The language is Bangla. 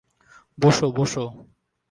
বোসো, বোসো।